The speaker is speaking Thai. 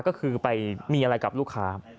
ก็คือไปมีอะไรกับลูกค้า